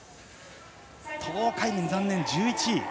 東海林は残念、１１位。